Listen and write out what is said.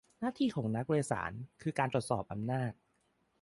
หน้าที่ของนักวารสาร คือการตรวจสอบอำนาจ